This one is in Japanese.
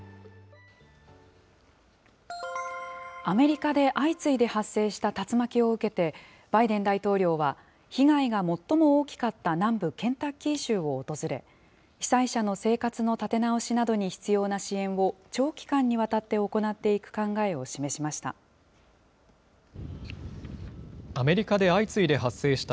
アメリカで相次いで発生した竜巻を受けて、バイデン大統領は、被害が最も大きかった南部ケンタッキー州を訪れ、被災者の生活の立て直しなどに必要な支援を、長期間にわたって行っていく考えを示しました。